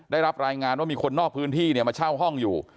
ได้รับรายงานว่ามีคนนอกพื้นที่มาเช่าห้องอยู่